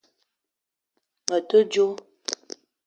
Me te djo